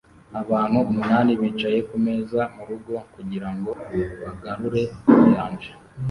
Abantu umunani bicaye kumeza murugo kugirango bagarure ubuyanja